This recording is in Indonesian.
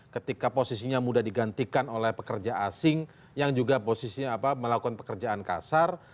ketika posisinya mudah digantikan oleh pekerja asing yang juga posisinya melakukan pekerjaan kasar